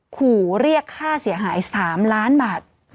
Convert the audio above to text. ขู่เรียกค่าเสียหาย๓ล้านบาท